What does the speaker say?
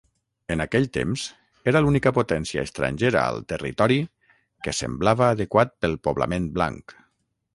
En aquell temps, era l'única potència estrangera al territori que semblava adequat pel poblament blanc.